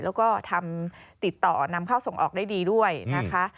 แล้วก็ทำติดต่อนำเข้าส่งออกได้ดีด้วยนะคะ